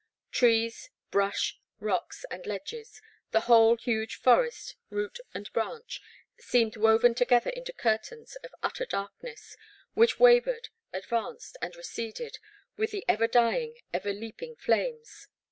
Trees, brush, rocks, and ledges — ^the whole huge forest, root and branch, seemed woven together into curtains of utter darkness which wavered, advanced, and receded with the ever dying, ever leaping flames.